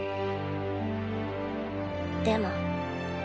でも。